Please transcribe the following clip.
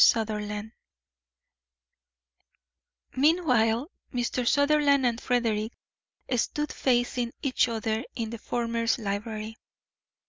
SUTHERLAND Meanwhile Mr. Sutherland and Frederick stood facing each other in the former's library.